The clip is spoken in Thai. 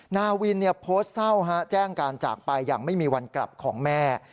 นาวินโพสต์เศร้าแจ้งการจากไปอย่างไม่มีวันกลับของแม่